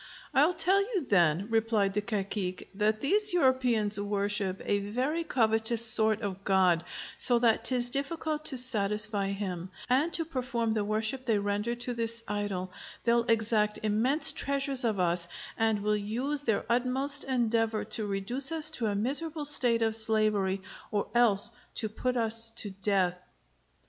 "I'll tell you then," replied the Cacique, "that these Europeans worship a very covetous sort of god, so that 'tis difficult to satisfy him; and to perform the worship they render to this idol, they'll exact immense treasures of us, and will use their utmost endeavor to reduce us to a miserable state of slavery, or else to put us to death."